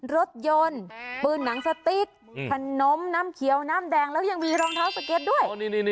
รถยนต์ปืนหนังสติ๊กขนมน้ำเขียวน้ำแดงแล้วยังมีรองเท้าสเก็ตด้วย